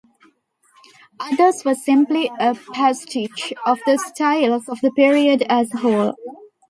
Others were simply a pastiche of the styles of the period as a whole.